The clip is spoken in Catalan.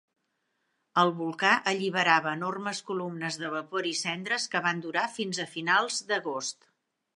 El volcà alliberava enormes columnes de vapor i cendres que van durar fins a finals d'agost.